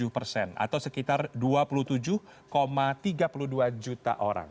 tujuh persen atau sekitar dua puluh tujuh tiga puluh dua juta orang